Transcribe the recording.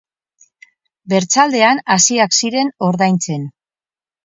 Bertzaldean hasiak ziren ordaintzen.